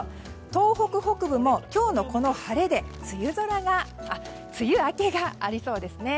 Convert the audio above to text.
東北北部も今日のこの晴れで梅雨明けがありそうです。